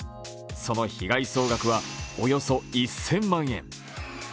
その被害総額は、およそ１０００万円。